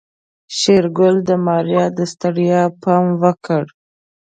شېرګل د ماريا د ستړيا پام وکړ.